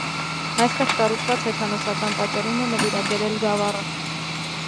Այստեղ կառուցված հեթանոսական տաճարին է նվիրաբերել գավառը։